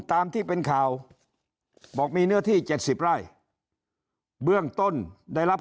ตามที่เป็นข่าวบอกมีเนื้อที่๗๐ไร่เบื้องต้นได้รับ